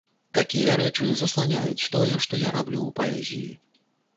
Такія рэчы засланяюць тое, што я раблю ў паэзіі.